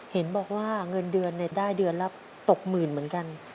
เห็นบอกว่าเงินเดือนได้เดือนละตกหมื่นเหมือนกัน